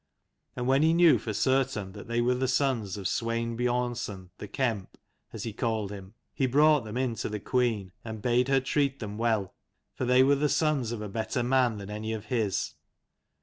And when he knew for certain that they were the sons of Swein Biornson the kemp, as he called him, he brought them in to the queen, and bade her treat them well, for they were the sons of a better man than any of his.